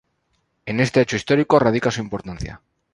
En este hecho histórico radica su importancia.